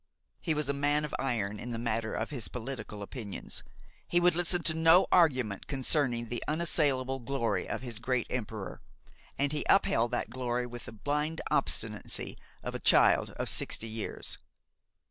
He was a man of iron in the matter of his political opinions; he would listen to no argument concerning the unassailable glory of his great emperor, and he upheld that glory with the blind obstinacy of a child of sixty years.